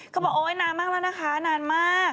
บอกโอ๊ยนานมากแล้วนะคะนานมาก